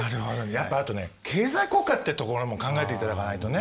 やっぱあとね経済効果ってところも考えていただかないとね。